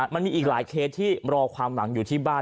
มันมีอีกหลายเคสที่รอความหลังอยู่ที่บ้าน